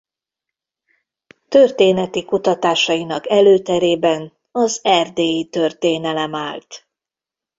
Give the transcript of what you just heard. Történeti kutatásainak előterében az erdélyi történelem állt.